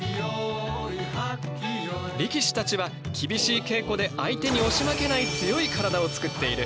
力士たちは厳しい稽古で相手に押し負けない強い体を作っている。